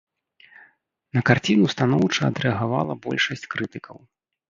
На карціну станоўча адрэагавала большасць крытыкаў.